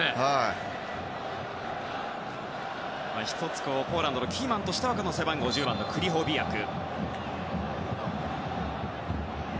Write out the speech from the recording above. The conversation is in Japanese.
１つ、ポーランドのキーマンとしては背番号１０番のクリホビアク。